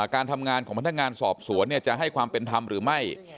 การทำงานของพนักงานสอบสวนจะให้ความเป็นธรรมหรือไม่